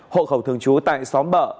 hộ khẩu thường trú tại xóm bợ